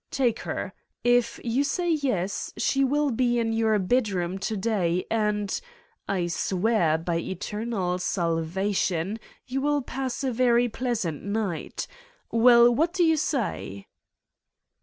Take her. If you say yes, she will be in your bedroom to day and ... I swear by eternal salvation, you will 244 Satan's Diary pass a very pleasant night. Well, what do you Bay!"